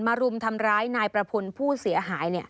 รุมทำร้ายนายประพลผู้เสียหาย